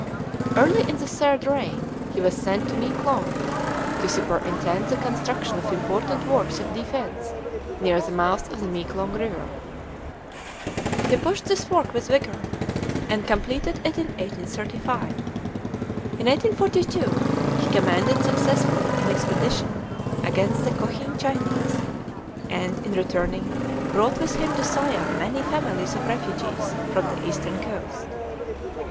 Early in the third reign he was sent to Meeklong to superintend the construction of important works of defence near the mouth of the Meeklong River. He pushed this work with vigor, and completed it in 1835. In 1842 he commanded successfully an expedition against the Cochin Chinese, and, in returning, brought with him to Siam many families of refugees from the eastern coast.